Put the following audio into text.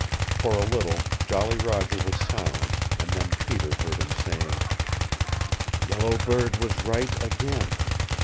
For a little Jolly Roger was silent and then Peter heard him saying, "Yellow Bird was right again.